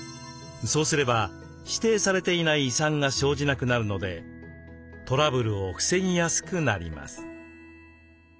そうすれば「指定されていない遺産」が生じなくなるのでトラブルを防ぎやすくなります。